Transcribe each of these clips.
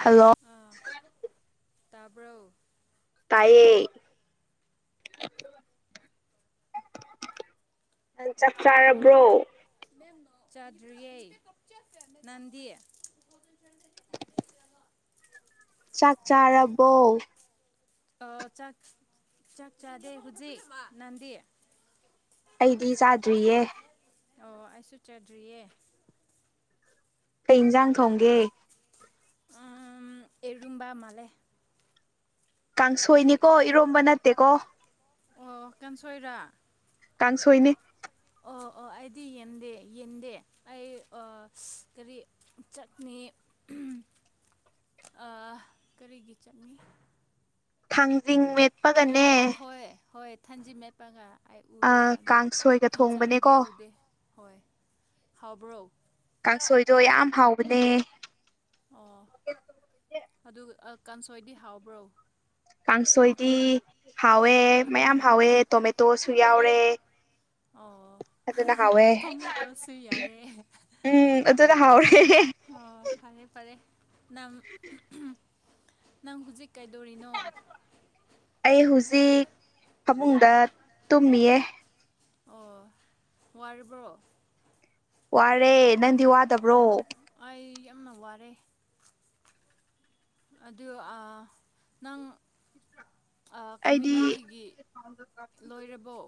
Hello ꯇꯥꯕ꯭ꯔꯨ ꯇꯌꯦꯌꯦ ꯆꯞ ꯆꯥꯔꯕ꯭ꯔꯣ ꯆꯥꯗ꯭ꯔꯤꯩ ꯅꯟꯗꯤ ꯆꯥꯛ ꯆꯥꯔꯕꯣ ꯑ ꯆꯥꯛ ꯆꯥꯛ ꯆꯥꯗꯦ ꯍꯧꯖꯤꯛ ꯅꯟꯗꯦ ꯑꯩꯗꯤ ꯆꯥꯗ꯭ꯔꯤꯌꯦ ꯑꯣ ꯑꯩꯁꯨ ꯆꯥꯗ꯭ꯔꯤꯌꯦ ꯀꯩ ꯌꯦꯟꯁꯥꯡ ꯊꯣꯡꯒꯦ ꯍꯔꯨꯝꯕ ꯃꯥ ꯂꯩ ꯀꯥꯡꯁꯣꯏꯅꯤꯀꯣ ꯏꯔꯣꯝꯕ ꯅꯠꯇꯦꯀꯣ ꯑꯣ ꯀꯦꯟꯁꯣꯏꯔ ꯀꯥꯡꯁꯣꯏꯅꯦ ꯑꯣ ꯑꯣ ꯑꯩꯗꯤ ꯌꯦꯟꯗꯦ ꯌꯦꯟꯗꯦ ꯑꯩ ꯀꯔꯤ ꯆꯠꯅꯤ ꯔꯤꯒꯤ ꯆꯪ ꯃꯤ ꯊꯥꯡꯖꯤꯡ ꯃꯦꯠꯄꯒꯅꯦ ꯍꯣꯏ ꯍꯣꯏ ꯊꯟꯖꯤ ꯃꯦꯠꯄꯒ ꯑꯩ ꯎꯔꯦ ꯑꯥ ꯑꯗꯨ ꯀꯥꯡꯁꯣꯏꯒ ꯍꯤꯟ ꯆꯪꯗꯤ ꯊꯣꯡꯕꯅꯦꯀꯣ ꯎꯗꯦ ꯍꯣꯏ ꯍꯥꯎꯕ꯭ꯔꯣ ꯀꯥꯡꯁꯣꯏꯗꯣ ꯌꯥꯝ ꯍꯥꯎꯕꯅꯦ ꯑꯣ ꯑꯗꯨꯒ ꯀꯥꯡꯁꯣꯏꯗꯤ ꯍꯥꯎꯕ꯭ꯔꯣ ꯀꯥꯡꯁꯣꯏꯗꯤ ꯍꯥꯎꯋꯦ ꯃꯌꯥꯝ ꯍꯥꯎꯋꯦ ꯇꯣꯃꯦꯇꯣꯁꯨ ꯌꯥꯎꯔꯦ [inaudible] ꯍꯥꯎꯋꯦ ꯊꯣꯃꯦ ꯇꯣꯠꯁꯨ ꯌꯥꯎꯔꯦ ꯎꯝ ꯑꯗꯨꯆꯗ ꯍꯥꯎꯔꯦ ꯑꯣ ꯐꯔꯦ ꯐꯔꯦ ꯅꯪ ꯅꯪ ꯍꯧꯖꯤꯛ ꯀꯩꯗꯣꯔꯤꯅꯣ ꯏꯛ ꯐꯃꯨꯡꯗ ꯇꯨꯝꯃꯤꯌꯦ ꯑꯣ ꯋꯥꯔꯤꯕ꯭ꯔꯣ ꯋꯥꯔꯦ ꯅꯪꯗꯤ ꯋꯥꯗꯕ꯭ꯔꯣ ꯑꯩ ꯋꯥꯔꯦ ꯑꯗꯨ ꯑ ꯅꯪ ꯑꯩꯗꯤ ꯀꯃ꯭ꯌꯨꯅꯤꯇꯤꯒꯤ ꯂꯣꯏꯔꯕꯣ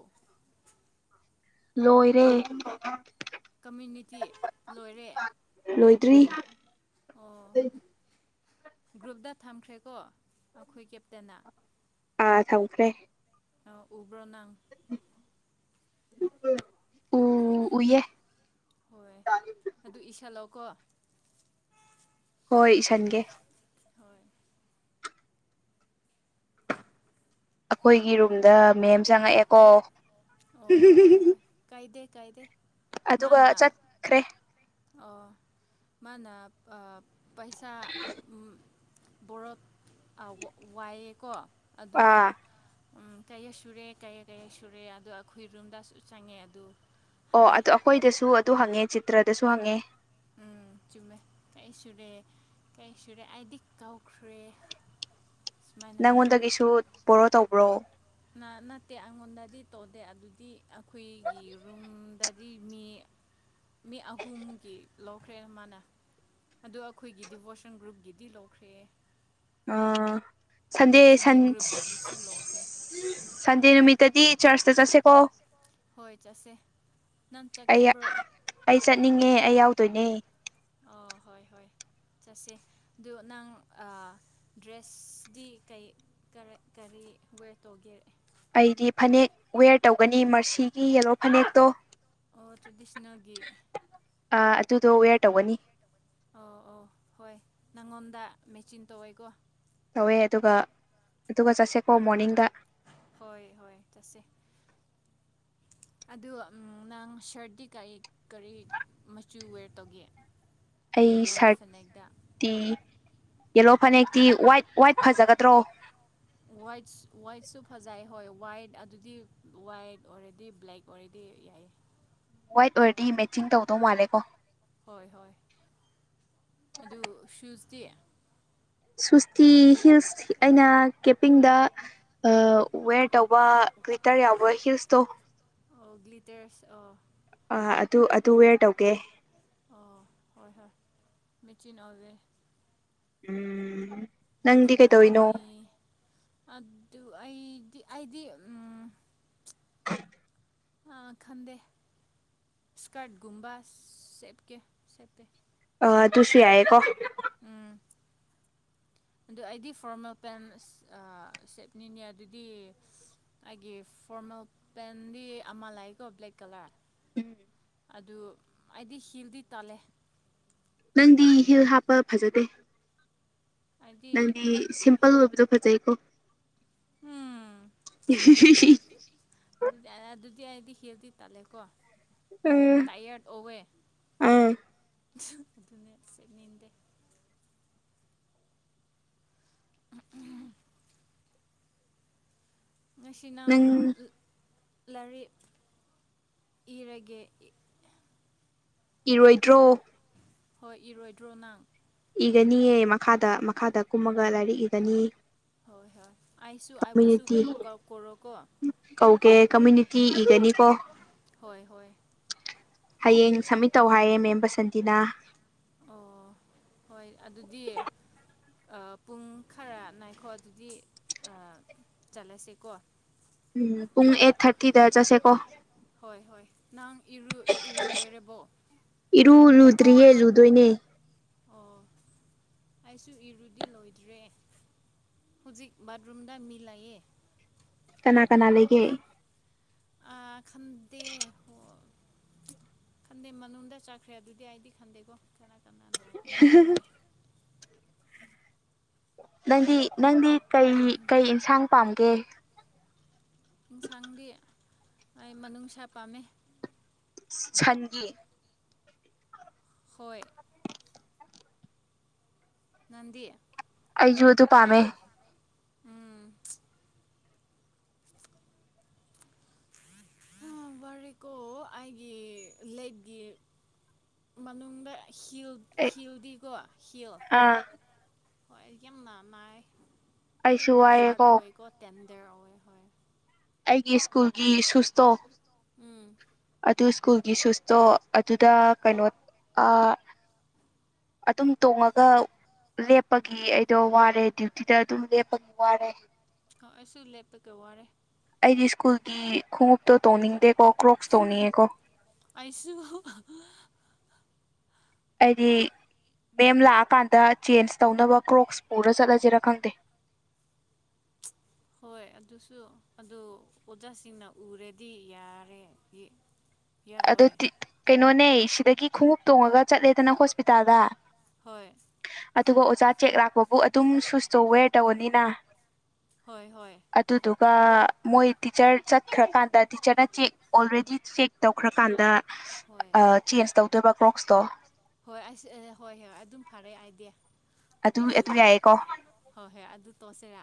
ꯂꯣꯏꯔꯦ ꯀꯃꯨꯅꯤꯇꯤ ꯂꯣꯏꯔꯦ ꯇ꯭ꯔꯤ ꯑꯣ ꯒ꯭ꯔꯨꯞꯇ ꯊꯝꯈ꯭ꯔꯦꯀꯣ ꯑꯩꯈꯣꯏ ꯀꯦꯞꯇꯦꯟꯅ ꯑꯥ ꯊꯝꯈ꯭ꯔꯦ ꯎꯕ꯭ꯔ ꯅꯡ ꯎ ꯎꯏꯌꯦ ꯍꯣꯏ ꯑꯗꯨ ꯏꯁꯜꯂꯣ ꯀꯣ ꯍꯣꯏ ꯏꯁꯟꯒꯦ ꯍꯣꯏ ꯑꯈꯣꯏꯒꯤ ꯔꯨꯝꯗ ꯃꯦꯝ ꯆꯪꯉꯛꯑꯦꯀꯣ ꯑꯣ ꯍꯣꯏ ꯍꯣꯏ ꯀꯥꯏꯗꯦ ꯀꯥꯏꯗꯦ ꯫ ꯑꯗꯨꯒ ꯆꯠꯈ꯭ꯔꯦ ꯑꯣ ꯃꯥꯅ ꯄꯩꯁꯥ ꯕꯣꯔꯣꯛ ꯋꯥꯏꯑꯦꯀꯣ ꯑꯗꯨꯅꯦ ꯑꯥ ꯀꯩꯌꯥ ꯁꯨꯔꯦ ꯀꯩꯌꯥ ꯀꯩꯌꯥ ꯁꯨꯔꯦ ꯑꯗꯣ ꯈꯨꯏꯔꯨꯝꯗꯁꯨ ꯆꯪꯉꯦ ꯑꯗꯨ ꯑꯣ ꯍꯪꯉꯦ ꯑꯗꯨ ꯑꯩꯈꯣꯏꯗꯁꯨ ꯑꯗꯨ ꯍꯪꯉꯦ ꯆꯤꯇ꯭ꯔꯗꯁꯨ ꯍꯪꯉꯦ ꯎꯝ ꯆꯨꯝꯃꯦ ꯀꯩ ꯁꯨꯔꯦ ꯀꯩ ꯁꯨꯔꯦ ꯑꯩꯗꯤ ꯀꯥꯎꯈ꯭ꯔꯦ ꯁꯨꯃꯥꯏꯅ ꯅꯪꯉꯣꯟꯗꯒꯤꯁꯨ ꯕꯣꯔꯣ ꯇꯧꯕ꯭ꯔꯣ ꯅ ꯅꯠꯇꯦ ꯑꯩꯉꯣꯟꯗꯗꯤ ꯇꯧꯗꯦ ꯑꯗꯨꯗꯤ ꯑꯩꯈꯣꯏꯒꯤ ꯔꯨꯝ ꯗꯗꯤ ꯃꯤ ꯃꯤ ꯑꯍꯨꯝꯒꯤ ꯂꯧꯈ꯭ꯔꯦ ꯃꯥꯅ ꯑꯗꯨ ꯑꯩꯈꯣꯏꯒꯤ ꯗꯤꯚꯣꯁꯟ ꯒ꯭ꯔꯨꯞꯒꯤꯗꯤ ꯂꯧꯈ꯭ꯔꯦ ꯑꯥ ꯑꯗꯨ ꯁꯟꯗꯦ ꯑꯦꯁ ꯑꯦꯟꯅꯦ ꯁꯟ ꯒ꯭ꯔꯨꯞꯒꯤꯁꯨ ꯂꯧꯈ꯭ꯔꯦ ꯁꯟꯗꯦ ꯅꯨꯃꯤꯠꯇꯗꯤ ꯆꯔꯆꯇ ꯆꯠꯁꯦꯀꯣ ꯍꯣꯏ ꯆꯠꯁꯦ ꯅꯪ ꯆꯛꯅꯤꯡꯕ꯭ꯔꯣ ꯇꯣꯏꯅꯦ ꯆꯠꯁꯦ ꯑꯗꯨ ꯅꯡ ꯗ꯭ꯔꯦꯁꯗꯤ ꯀꯔꯤ ꯋꯦ ꯇꯧꯒꯦ ꯑꯩꯗꯤ ꯐꯅꯦꯛ ꯋꯦꯌꯔ ꯇꯧꯒꯅꯤ ꯃꯔꯁꯤꯒꯤ ꯌꯦꯂꯣ ꯐꯅꯦꯛꯇꯣ ꯑꯣ ꯇ꯭ꯔꯦꯗꯤꯁꯅꯦꯜꯒꯤ ꯑꯗꯨꯗꯣ ꯋꯦꯌꯔ ꯇꯧꯒꯅꯤ ꯑꯣ ꯑꯣ ꯍꯣꯏ ꯅꯡꯉꯣꯟꯗ ꯃꯦꯆꯤꯟ ꯇꯧꯋꯦꯀꯣ ꯇꯧꯋꯦ ꯑꯗꯨꯒ ꯑꯗꯨꯒ ꯆꯠꯁꯦꯀꯣ ꯃꯣꯔꯅꯤꯡꯗ ꯍꯣꯏ ꯍꯣꯏ ꯆꯠꯁꯦ ꯑꯗꯣ ꯅꯪ ꯁꯔꯠꯇꯤ ꯀꯔꯤ ꯀꯔꯤ ꯃꯆꯨ ꯋꯦꯔ ꯇꯧꯒꯦ ꯑꯩ ꯌꯦꯜꯂꯣ ꯐꯅꯦꯛꯇ ꯁꯔꯠꯇꯤ ꯌꯦꯜꯂꯣ ꯐꯅꯦꯛꯇꯤ ꯋꯥꯏꯠ ꯋꯥꯏꯠ ꯐꯖꯒꯗ꯭ꯔꯣ ꯋꯥꯏꯠ ꯋꯥꯏꯠꯁꯨ ꯐꯖꯩ ꯍꯣꯏ ꯋꯥꯏꯠ ꯑꯗꯨꯗꯤ ꯋꯥꯏꯠ ꯑꯣꯏꯔꯗꯤ ꯕ꯭ꯂꯦꯛ ꯑꯣꯏꯔꯗꯤ ꯌꯥꯏꯌꯦ ꯋꯥꯏꯠ ꯑꯣꯏꯔꯗꯤ ꯃꯦꯠꯆꯤꯡ ꯇꯧꯗꯧ ꯃꯥꯜꯂꯦ ꯀꯣ ꯍꯣꯏ ꯍꯣꯏ ꯑꯗꯨ ꯁꯨꯁꯇꯤ ꯁ꯭ꯨꯋꯁꯇꯤ ꯍꯤꯜꯁ ꯑꯩꯅ ꯀꯦꯄꯤꯡꯗ ꯋꯦꯔ ꯇꯧꯕ ꯒ꯭ꯂꯤꯇꯔ ꯌꯥꯎꯕ ꯍꯤꯜꯁꯇꯣ ꯑꯣ ꯒ꯭ꯂꯤꯇꯔꯁ ꯑꯣ ꯑ ꯑꯗꯨ ꯑꯗꯨ ꯋꯦꯌꯔ ꯇꯧꯒꯦ ꯑꯣ ꯍꯣꯏ ꯍꯣꯏ ꯃꯦꯆꯤꯟ ꯑꯣꯏꯦ ꯎꯝ ꯅꯪꯗꯤ ꯃꯦꯆꯤꯟ ꯀꯩꯗꯧꯔꯤꯅꯣ ꯑꯣꯏꯕꯅꯤ ꯑꯗꯨ ꯑꯩꯗꯤ ꯑꯩꯗꯤ ꯑ ꯈꯟꯗꯦ ꯏꯁꯀꯔꯠꯒꯨꯝꯕ ꯁꯀꯦ ꯁꯀꯦ ꯑ ꯇꯨꯁꯨ ꯍꯥꯏ ꯀꯣ ꯎꯝ ꯑꯗꯨ ꯑꯩꯗꯤ ꯐꯣꯔꯃꯦꯜ ꯄꯦꯟ ꯁꯦꯠꯅꯤꯅꯦ ꯑꯗꯨꯗꯤ ꯑꯩꯒꯤ ꯐꯣꯔꯃꯦꯜ ꯄꯦꯟꯗꯤ ꯑꯃ ꯂꯥꯛꯏꯀꯣ ꯕ꯭ꯂꯦꯛ ꯀꯂꯔ ꯎꯝ ꯑꯗꯨ ꯑꯩꯗꯤ ꯍꯤꯜꯗꯤ ꯇꯜꯂꯦ ꯅꯪꯗꯤ ꯍꯤꯜ ꯍꯥꯞꯄ ꯐꯖꯗꯦ ꯑꯩꯗꯤ ꯅꯪꯗꯤ ꯁꯤꯝꯄꯜ ꯑꯣꯏꯕꯗꯣ ꯐꯖꯩꯀꯣ ꯎꯝ ꯆꯗꯦ ꯑꯗꯨꯗꯤ ꯍꯥꯏꯗꯤ ꯍꯦꯜꯗꯤ ꯇꯥꯜꯂꯦꯀꯣ ꯇꯌꯥꯔꯠ ꯑꯣꯋꯦ ꯑꯥ ꯑꯗꯨꯅ ꯁꯦꯠꯅꯤꯡꯗꯦ ꯉꯁꯤ ꯅꯪ ꯂꯥꯏꯔꯤꯛ ꯏꯔꯒꯦ ꯏꯔꯣꯏꯗ꯭ꯔꯣ ꯍꯣꯏ ꯏꯔꯣꯏꯗ꯭ꯔꯣ ꯅꯪ ꯏꯒꯅꯤꯌꯦ ꯃꯈꯥꯗ ꯃꯈꯥꯗ ꯀꯨꯝꯃꯒ ꯂꯥꯏꯔꯤꯛ ꯏꯒꯅꯤ ꯍꯣꯏ ꯍꯣꯏ ꯑꯁꯨ ꯑꯕꯨꯁꯁꯨ ꯀꯝꯃꯨꯅꯤꯇꯤ ꯀ ꯀꯣꯔꯣ ꯀꯣ ꯀꯧꯒꯦ ꯀꯃꯌꯨꯅꯤꯇꯤ ꯏꯒꯅꯤꯀꯣ ꯍꯣꯏ ꯍꯣꯏ ꯍꯌꯦꯡ ꯁꯝꯃꯤꯠ ꯇꯧ ꯍꯥꯏꯌꯦꯦ ꯃꯦꯝ ꯕꯁꯟꯇꯤꯅ ꯑꯣ ꯍꯣꯏ ꯑꯗꯨꯗꯤ ꯄꯨꯡ ꯈꯔ ꯅꯥꯏꯈꯣ ꯑꯗꯨꯗꯤ ꯆꯠꯂꯁꯦꯀꯣ ꯎꯝ ꯄꯨꯡ ꯑꯩꯠ ꯊꯥꯔꯇꯤꯗ ꯆꯠꯁꯦꯀꯣ ꯍꯣꯏ ꯍꯣꯏ ꯅꯪ ꯏꯔꯨ ꯂꯣꯏꯔꯕꯣ ꯏꯔꯨ ꯂꯨꯗ꯭ꯔꯤꯌꯦ ꯂꯨꯗꯣꯏꯅꯦ ꯑꯣ ꯑꯩꯁꯨ ꯏꯔꯨꯗꯤ ꯂꯣꯏꯗ꯭ꯔꯦ ꯐꯨꯖꯤꯛ ꯕꯥꯊꯔꯨꯝꯗ ꯃꯤꯂꯌꯦ ꯀꯅꯥ ꯀꯅꯥ ꯂꯩꯒꯦ ꯑ ꯈꯗ ꯑꯣ ꯈꯟꯗꯦ ꯃꯅꯨꯡꯗ ꯆꯠꯈ꯭ꯔꯦ ꯑꯗꯨꯗꯤ ꯑꯩꯗꯤ ꯈꯟꯗꯦꯀꯣ ꯀꯅꯥ ꯅ ꯑꯦꯟꯇ꯭ꯔꯔ ꯇꯨꯋꯦ ꯅꯪꯗꯤ ꯅꯪꯗꯤ ꯀ ꯀꯩ ꯏꯟꯁꯥꯡ ꯄꯥꯝꯒꯦ ꯑꯦꯟꯁꯥꯡꯗꯤ ꯑꯩ ꯃꯅꯨꯡꯅꯨꯡꯁꯥ ꯄꯥꯝꯃꯦ ꯁꯟꯒꯤ ꯍꯣꯏ ꯅꯗꯤ ꯑꯩꯁꯨ ꯑꯗꯨ ꯄꯥꯝꯃꯦ ꯎꯝ ꯀꯣ ꯑꯩꯒꯤ ꯂꯦꯦꯛꯀꯤ ꯃꯅꯨꯡꯗ ꯍꯤꯜ ꯑꯩ ꯍꯤꯜꯗꯤꯀꯣ ꯍꯤꯜ ꯑꯥ ꯍꯣꯏ ꯌꯥꯝ ꯅꯥꯏ ꯑꯩꯁꯨ ꯌꯥꯝꯅ ꯍꯥꯥꯔꯗ ꯋꯥꯏꯑꯦꯀꯣ ꯑꯣꯏꯋꯦ ꯀꯣ ꯇꯦꯟꯗꯔ ꯑꯣꯏꯋꯦ ꯍ ꯑꯩꯒꯤ ꯁ꯭ꯀꯨꯜꯒꯤ ꯁꯨꯁꯇꯣ ꯎꯝ ꯑꯗꯨ ꯁ꯭ꯀꯨꯜꯒꯤ ꯁꯨꯁꯇꯣ ꯑꯗꯨꯗ ꯀꯩꯅꯣ ꯑꯗꯨꯝ ꯇꯣꯡꯉꯒ ꯂꯦꯞꯄꯒꯤ ꯑꯩꯗꯣ ꯋꯥꯔꯦ ꯗ꯭ꯌꯨꯇꯤꯗ ꯑꯗꯨꯝ ꯂꯦꯞꯄꯒꯤ ꯋꯥꯔꯦ ꯍꯁꯨꯨ ꯂꯦꯇ ꯀꯣ ꯋꯥꯔꯦ ꯑꯩꯗꯤ ꯁ꯭ꯀꯨꯜꯒꯤ ꯈꯣꯡꯎꯞꯇꯣ ꯇꯧꯅꯤꯡꯗꯦ ꯑꯁꯨ ꯌꯨ ꯍꯥꯏꯗꯤ ꯃꯦꯝ ꯂꯥꯛꯑꯀꯥꯟꯗ ꯆꯦꯟꯖ ꯇꯧꯅꯕ ꯀ꯭ꯔꯣꯛꯁ ꯄꯨꯔ ꯆꯠꯂꯁꯤꯔꯥ ꯈꯪꯗꯦ [unintelligible] ꯍꯣꯏ ꯑꯗꯨꯁꯨ ꯑꯗꯨ ꯑꯣꯖꯥꯁꯤꯡꯅ ꯎꯔꯦꯗꯤ ꯌꯥꯔꯦ ꯑꯗꯨ ꯌꯥꯔꯣꯏ ꯀꯩꯅꯣꯅꯦ ꯁꯤꯗꯒꯤ ꯈꯣꯡꯎꯞ ꯇꯣꯡꯉꯒ ꯆꯠꯂꯦꯗꯅ ꯍꯣꯁꯄꯤꯇꯥꯜꯗ ꯍꯣꯏ ꯑꯗꯨꯒ ꯑꯣꯖꯥ ꯆꯦꯛ ꯂꯥꯛꯄꯕꯨ ꯑꯗꯨꯝ ꯁꯨꯁꯇꯣ ꯋꯦꯔ ꯇꯧꯔꯅꯤꯅ ꯍꯣꯏ ꯍꯣꯏ ꯑꯗꯨꯗꯨꯒ ꯑꯗꯨ ꯃꯣꯏ ꯇꯤꯆꯔ ꯆꯠꯈ꯭ꯔꯀꯥꯟꯗ ꯇꯤꯆꯔꯅ ꯆꯦꯛ ꯑꯣꯜꯔꯦꯗꯤ ꯆꯦꯛ ꯇꯧꯈ꯭ꯔꯀꯥꯟꯗ ꯍꯣꯏ ꯆꯦꯟꯖ ꯇꯧꯗꯣꯏꯕ ꯀ꯭ꯔꯣꯛꯁꯇꯣ ꯍꯣꯏ ꯍꯣꯏ ꯍꯣꯏ ꯍꯣꯏ ꯑꯗꯨꯝ ꯐꯔꯦ ꯑꯗꯨ ꯑꯗꯨ ꯌꯥꯏꯌꯦꯦ ꯀꯣ ꯍꯣꯏ ꯍꯣꯏ ꯑꯗꯨ ꯇꯧꯁꯤꯔꯥ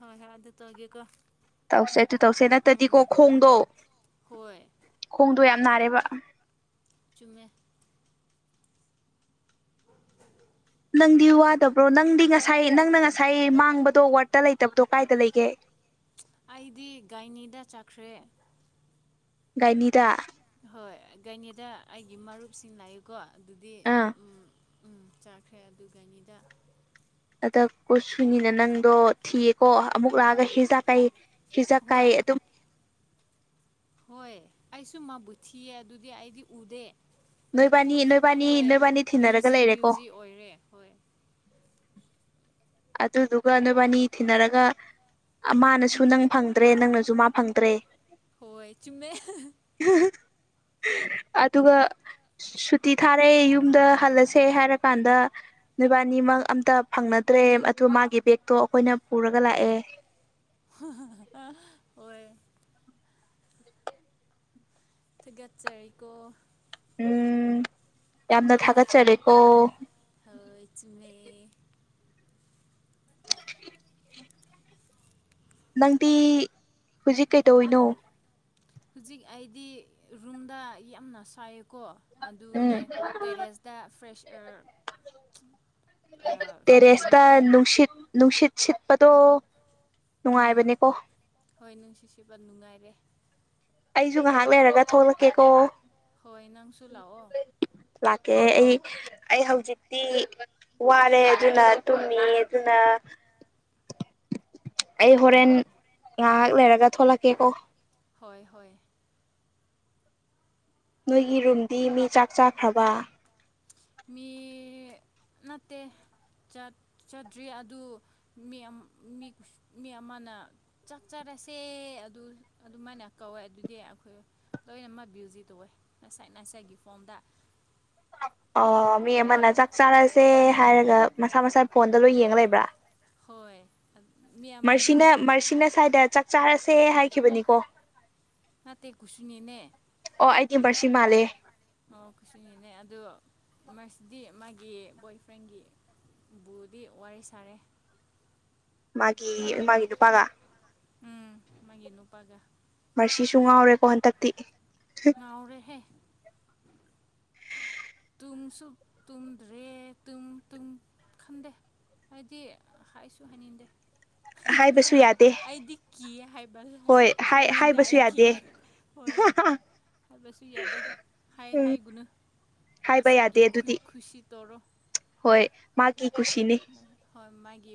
ꯍꯣꯏ ꯍꯔ ꯑꯗꯨ ꯇꯧꯒꯦꯀꯣ ꯇꯧꯁꯦ ꯑꯗꯨ ꯇꯧꯁꯦ ꯅꯠꯇꯗꯤꯀꯣ ꯎꯝ ꯈꯣꯡꯗꯣ ꯍꯣꯏ ꯈꯣꯡꯗꯣ ꯌꯥꯝ ꯔꯦꯕ ꯆꯨꯝꯃꯦ ꯅꯪꯗꯤ ꯋꯥꯗꯕ꯭ꯔꯣ ꯅꯪꯗꯤ ꯉꯁꯥꯏ ꯅꯪꯅ ꯉꯁꯥꯏ ꯃꯥꯡꯕꯗꯣ ꯋꯥꯠ ꯑꯩꯗꯤ ꯒꯥꯏꯅꯤꯗ ꯆꯠꯈ꯭ꯔꯦ ꯉꯥꯏꯅꯤꯗ ꯍꯣꯏ ꯒꯥꯏꯅꯦꯗ ꯑꯩꯒꯤ ꯃꯔꯨꯞꯁꯤꯡ ꯅꯥꯏꯌꯨꯀꯣ ꯑꯗꯨꯗꯤ ꯎ ꯎꯝ ꯆꯥꯈ꯭ꯔꯦ ꯑꯗꯨꯒꯅꯤꯗ ꯀꯨ ꯁꯨꯅꯤꯅ ꯅꯪꯗꯣ ꯊꯤꯌꯦꯀꯣ ꯑꯃꯨꯛ ꯂꯥꯛꯑꯒ ꯍꯤꯖ ꯀꯩꯌꯦ ꯍꯤꯖ ꯀꯥꯏ ꯍꯣꯏ ꯑꯗꯨꯝ ꯍꯣꯏ ꯑꯩꯁꯨ ꯃꯥꯕꯨ ꯊꯤꯌꯦ ꯑꯗꯨꯗꯤ ꯑꯩꯗꯤ ꯎꯗꯦ ꯑꯗꯨ ꯅꯣꯏꯕꯥꯅꯤ ꯀꯣꯜꯁꯨ ꯅꯣꯏꯕꯥꯅꯤ ꯇꯧꯋꯦ ꯅꯣꯏꯕꯥꯅꯤ ꯕ꯭ꯌꯨ ꯊꯤꯅꯔꯒ ꯖꯤ ꯂꯩꯔꯦꯀꯣ ꯕ꯭ꯌꯨꯖꯤ ꯑꯣꯏꯔꯦ ꯍꯣꯏ ꯑꯗꯨꯗꯨꯒ ꯅꯨꯕꯥꯅꯤ ꯊꯤꯅꯔꯒ ꯃꯥꯅꯁꯨ ꯅꯪ ꯐꯪꯗ꯭ꯔꯦ ꯅꯪꯅꯁꯨ ꯃꯥ ꯐꯪꯗ꯭ꯔꯦ ꯍꯣꯏ ꯆꯨꯝꯃꯦ ꯑꯗꯨꯒꯒ ꯁꯨꯇꯤ ꯊꯥꯔꯛꯑꯦ ꯌꯨꯝꯗ ꯍꯜꯂꯁꯦ ꯍꯥꯏꯔꯀꯥꯟꯗ ꯅꯣꯏꯕꯥꯅꯤꯃꯛ ꯑꯝꯇ ꯐꯪꯅꯗ꯭ꯔꯦ ꯑꯗꯨ ꯃꯥꯒꯤ ꯕꯦꯒꯛꯇꯣ ꯑꯩꯈꯣꯏꯅ ꯄꯨꯔꯒ ꯂꯥꯛꯑꯦ ꯑꯣ ꯍꯣꯏ ꯒꯠꯆꯔꯤꯀꯣ ꯎꯝ ꯌꯥꯝꯅ ꯊꯀꯥ ꯆꯦ ꯔꯦꯀꯣ ꯍꯣꯏ ꯆꯨꯝꯃꯦ [unintelligible] [unintelligible] ꯅꯪꯗꯤ ꯍꯧꯖꯤꯛ ꯀꯩꯗꯧꯅꯣ ꯍꯧꯖꯤꯛ ꯑꯩꯗꯤ ꯔꯨꯝꯗ ꯌꯥꯝꯅ ꯁꯥꯏ ꯀꯣ ꯑꯗꯨꯅꯦ ꯎꯝ ꯇꯦꯔꯦꯁꯇ ꯐ꯭ꯔꯦꯁ ꯑꯦꯌꯥꯔ ꯑꯥ ꯐ꯭ꯔꯦꯁ ꯇꯦꯔꯦꯁꯇ ꯇꯧꯋꯦ ꯅꯨꯡꯁꯤꯠ ꯅꯨꯡꯁꯤꯠ ꯁꯠꯄꯗꯣ ꯎꯝ ꯍꯣꯏ ꯅꯨꯡꯁꯤꯁꯤꯕ ꯅꯨꯡꯉꯥꯏꯔꯦ ꯑꯩꯁꯨ ꯉꯥꯏꯍꯥꯛ ꯂꯩꯔꯒ ꯊꯣꯛꯂꯛꯀꯦꯀꯣ ꯍꯣꯏ ꯅꯪꯁꯨ ꯂꯥꯛꯑꯣ ꯑꯣ ꯑꯩ ꯑꯩ ꯍꯧꯖꯤꯛꯇꯤ ꯋꯥꯔꯦ ꯑꯗꯨꯅ ꯇꯨꯝꯃꯤ ꯑꯗꯨꯅ ꯑꯩ ꯍꯣꯔꯦꯟ ꯉꯥꯏꯍꯥꯛ ꯂꯩꯔꯒ ꯊꯂꯛꯀꯦꯀꯣ ꯍꯣꯏ ꯍꯣꯏ ꯅꯣꯏꯒꯤ ꯔꯨꯝꯗꯤ ꯃꯤ ꯆꯥꯛ ꯆꯥꯈ꯭ꯔꯕ ꯃꯤ ꯅꯠꯇ ꯆꯠꯇ꯭ꯔꯤ ꯑꯗꯨ ꯃꯤ ꯃꯤ ꯑꯃꯅ ꯆꯠꯆꯔꯦ ꯆꯁꯦ ꯑꯗꯨ ꯑꯗꯨꯃꯥꯏꯅ ꯀꯧꯋꯦ ꯑꯗꯨꯗꯤ ꯑꯩꯈꯣꯏ ꯂꯣꯏꯅꯃꯛ ꯕꯌꯨꯖꯤ ꯇꯧꯋꯦ ꯉꯁꯥꯏ ꯉꯁꯥꯏꯒꯤ ꯐꯣꯝꯗ ꯑꯣ ꯃꯤ ꯑꯃꯅ ꯆꯥꯛ ꯆꯥꯔꯁꯦ ꯍꯥꯏꯔꯒ ꯃꯁꯥ ꯃꯁꯥ ꯐꯣꯟꯗ ꯂꯣꯏ ꯌꯦꯡ ꯂꯩꯕ꯭ꯔꯥ ꯍꯣꯏ ꯑꯗꯨ ꯃꯁꯤꯁꯤꯅ ꯃꯔꯁꯤꯅ ꯁ꯭ꯥꯏꯗ ꯆꯥꯛ ꯆꯥꯔꯁꯦ ꯍꯥꯏꯈꯤꯕꯅꯤꯀꯣ ꯅꯇꯩ ꯀꯨꯁꯤꯅꯤꯅꯦ ꯕꯔꯁꯤ ꯃꯥꯂꯦ ꯑꯣ ꯈꯨꯁꯤꯅꯤꯅꯦ ꯑꯗꯨꯗ ꯃꯁꯤꯗꯤ ꯃꯥꯒꯤ ꯕꯣꯏ ꯐ꯭ꯔꯦꯟꯒꯤꯕꯨꯗꯤ ꯋꯥꯔꯤ ꯁꯥꯔꯦ ꯃꯥꯒꯤ ꯃꯥꯒꯤ ꯅꯨꯄꯥꯒ ꯎꯝ ꯃꯥꯒꯤ ꯅꯨꯄꯥꯒ ꯃꯔꯁꯤꯁꯨ ꯉꯥꯎꯔꯦꯀꯣ ꯍꯟꯗꯛꯇꯤ ꯉꯅꯥꯎꯔꯦꯍꯦ ꯇꯨꯡꯁꯨ ꯇꯨꯝꯗ꯭ꯔꯦ ꯇꯨꯡ ꯇꯨꯡ ꯈꯟꯗꯦ ꯍꯥꯏꯗꯤ ꯍꯥꯏꯁꯨ ꯍꯥꯏꯅꯤꯡꯗꯦ ꯍꯥꯏꯕꯁꯨ ꯌꯥꯗꯦ ꯑꯩꯗꯤ ꯀꯤ ꯍꯥꯏꯕ ꯍꯥꯏꯅꯤꯡꯗ ꯑꯩ ꯀꯤ ꯑ ꯍꯥꯏꯕꯁꯨ ꯌꯥꯗꯦ ꯍꯥꯏ ꯍꯥꯏꯒꯨꯅꯨ ꯍꯥꯏꯕ ꯃꯁꯥꯏꯒꯤ ꯌꯥꯗꯦ ꯑꯗꯨꯗꯤ ꯈꯨꯁꯤ ꯇꯧꯔꯣ ꯍꯣꯏ ꯃꯥ ꯍꯣꯏ ꯃꯥꯒꯤ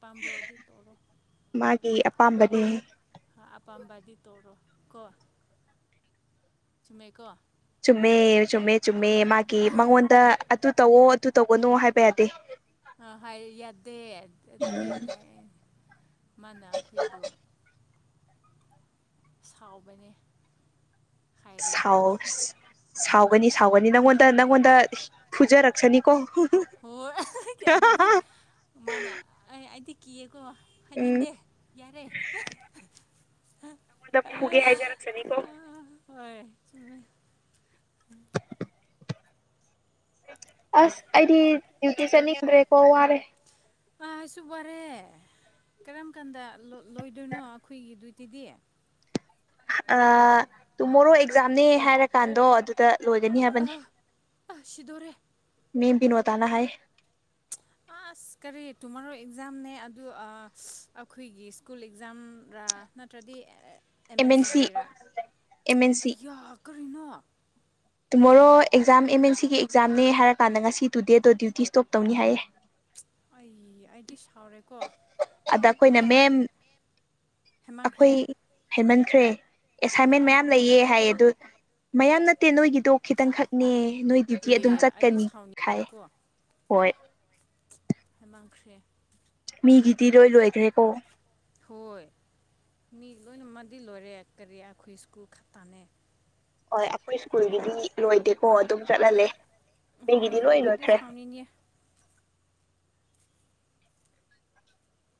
ꯄꯥꯝꯕ꯭ꯔꯣꯗꯤ ꯇꯧꯔꯣ ꯒꯤ ꯑꯄꯥꯝꯕꯗꯤ ꯑꯄꯥꯝꯕꯗꯤ ꯇꯧꯔꯣ ꯀꯣ ꯆꯨꯝꯃꯦ ꯀꯣ ꯆꯨꯝꯃꯦ ꯆꯨꯝꯃꯦ ꯆꯨꯝꯃꯦ ꯃꯥꯒꯤ ꯃꯉꯣꯟꯗ ꯑꯗꯨ ꯇꯧꯋꯣ ꯑꯗꯨꯨ ꯇꯧꯒꯅꯨ ꯍꯥꯏꯕ ꯌꯥꯗꯦ ꯑ ꯍꯥꯏ ꯌꯥꯗꯦ ꯑꯗꯨꯗꯤ ꯀꯥꯏ ꯃꯥꯥꯟꯅ ꯑꯩꯈꯣꯏꯕꯨ ꯁꯥꯎꯕꯅꯦ ꯍꯥꯏꯔꯗꯤ ꯁꯥꯎꯁ ꯁꯥꯎꯒꯅꯤ ꯁꯥꯎꯒꯅꯤ ꯅꯪꯉꯣꯟꯗ ꯅꯪꯉꯣꯟꯗ ꯐꯨꯖꯔꯛꯁꯅꯤꯀꯣ ꯍꯣꯏ ꯑꯗꯨꯗꯤ ꯃꯥꯅ ꯑꯩꯗꯤ ꯀ ꯀꯣ ꯎꯝ ꯍꯥꯏꯅꯤꯡꯗꯦ ꯌꯥꯔꯦ ꯗ ꯐꯨꯒꯦ ꯍꯥꯏꯖꯔꯛꯁꯅꯤꯀꯣ ꯆꯃꯦ ꯑꯁ ꯑꯩꯗꯤ ꯗ꯭ꯌꯨꯇꯤ ꯆꯠꯅꯤꯡꯗ꯭ꯔꯦꯀꯣ ꯋꯥꯔꯦ ꯑꯥꯁꯨꯨꯞ ꯋꯥꯔꯦ ꯀꯔꯝ ꯀꯥꯟꯗ ꯂꯣꯏꯗꯣꯏꯅꯣ ꯑꯩꯈꯣꯏꯒꯤꯗꯨꯇꯗꯤ ꯑ ꯇꯨ ꯃꯣꯔꯣ ꯑꯦꯛꯖꯥꯝꯅꯦ ꯍꯥꯏꯔꯀꯥꯟꯗꯣ ꯑꯗꯨꯗ ꯂꯣꯏꯒꯅꯤ ꯍꯥꯏꯕꯅꯤ ꯑ ꯑ ꯁꯤꯗꯣꯔꯦ ꯅꯤꯕꯤꯅꯣꯇꯅꯥ ꯍꯥꯏ ꯑꯁ ꯀꯔꯤ ꯇꯨꯃꯣꯔꯣ ꯑꯦꯛꯖꯥꯝꯅꯦ ꯑꯗꯨ ꯑꯩꯈꯣꯏꯒꯤ ꯁ꯭ꯀꯨꯜ ꯑꯦꯛꯖꯥꯝꯔ ꯅꯠꯇ꯭ꯔꯗꯤ ꯑꯦꯝ ꯑꯦꯟ ꯑꯦꯟꯁꯤ ꯁꯤ ꯒꯤꯔ ꯑꯦꯝ ꯑꯦꯟ ꯑꯩ ꯁꯤ ꯌꯥꯈꯔꯤꯅꯣ ꯇꯨꯃꯣꯔꯣ ꯑꯦꯛꯖꯥꯝ ꯑꯦꯝ ꯑꯦꯟ ꯁꯤꯒꯤ ꯑꯦꯛꯖꯥꯝꯅꯦ ꯍꯥꯏꯔꯀꯥꯟꯗ ꯉꯁꯤ ꯇꯨꯗꯦꯗꯣ ꯗ꯭ꯌꯨꯇꯤ ꯏꯁꯇꯣꯞ ꯇꯧꯅꯤ ꯍꯥꯏꯌꯦ ꯑꯩ ꯑꯩꯗꯤ ꯁ ꯑꯗ ꯑꯩꯈꯣꯏꯅ ꯃꯦꯝ ꯑꯩꯈꯣꯏ ꯍꯦꯃꯟꯈ꯭ꯔꯦ ꯍꯥꯏꯃꯟꯈ꯭ꯔꯦ ꯑꯦꯁꯥꯏꯟꯃꯦꯟ ꯎꯝ ꯃꯌꯥꯝ ꯂꯩꯌꯦ ꯍꯥꯏꯌꯦ ꯑꯗꯨ ꯃꯌꯥꯝ ꯅꯠꯇꯦ ꯅꯣꯏꯒꯤꯗꯣ ꯈꯤꯇꯪꯈꯛꯅꯦ ꯅꯣꯏ ꯗꯌꯗꯤꯤ ꯑꯦ ꯑꯗꯨꯝ ꯑꯩꯗꯤ ꯆꯠꯀꯅꯤ ꯈꯥꯏ ꯁꯥꯎꯅꯤꯡꯉꯦꯀꯣ ꯍꯣꯏ ꯍꯥꯏ ꯃꯥꯡꯈ꯭ꯔꯦ ꯃꯤꯒꯤꯗꯤ ꯂꯣꯏ ꯂꯣꯏꯈ꯭ꯔꯦꯀꯣ ꯍꯣꯏ ꯃꯤ ꯂꯣꯏꯅꯃꯗꯤ ꯂꯣꯏꯔꯦ ꯀꯔꯤ ꯑꯩꯈꯣꯏ ꯁ꯭ꯀꯨꯜ ꯈꯛꯇꯅꯦ ꯍꯣꯏ ꯑꯩꯈꯣꯏ ꯁ꯭ꯀꯨꯜꯒꯤꯗꯤ ꯂꯣꯏꯗꯦꯀꯣ ꯑꯗꯨꯝ ꯆꯠꯍꯜꯂꯦ ꯍꯣꯏ ꯃꯤꯒꯤꯗꯤ ꯂꯣꯏ ꯑꯗꯨ ꯂꯣꯏꯈ꯭ꯔꯦ ꯁꯝꯅꯤ